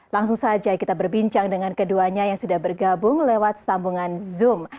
langsung saja kita berbincang dengan keduanya yang sudah bergabung lewat sambungan zoom